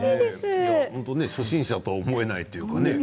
初心者と思えないというか